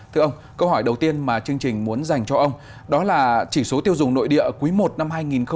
thưa ông câu hỏi đầu tiên mà chương trình muốn dành cho ông đó là chỉ số tiêu dùng nội địa cuối một năm hai nghìn hai mươi bốn